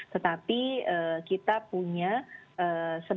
tetapi kita punya suatu kondisi